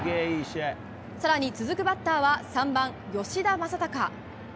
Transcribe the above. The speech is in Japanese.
更に続くバッターは３番、吉田正尚。